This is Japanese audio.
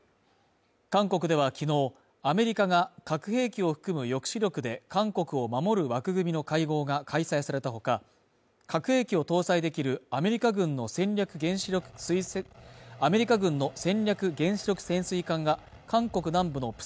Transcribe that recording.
韓国では昨日アメリカが核兵器を含む抑止力で韓国を守る枠組みの会合が開催されたほか、核兵器を搭載できるアメリカ軍の戦略